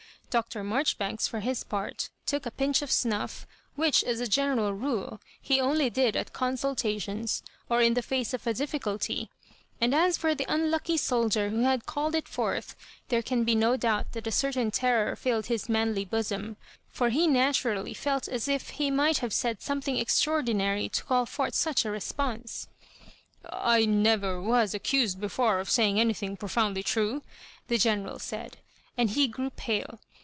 Dr. Marjoribanks, for his part, took a pinch of snuff; which, as a general rule, he only did at consultations, or in the faqe of a difficulty ; and as for the unlucky soldier who had called it forth, there can be no doubt that a certain terror filled his manly bosom ; for he naturally felt as if ho must have said something extraordinary to call forth such a response. " I never was accused before of saying any thing profoundly true," the (Jeneral said, and he grew pale.